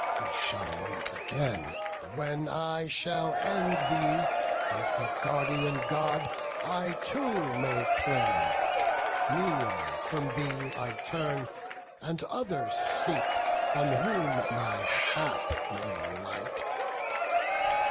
We yet shall meet again; When I shall end thee, if a guardian God I too may claim; meanwhile from thee I turn, And others seek on whom my hap may light."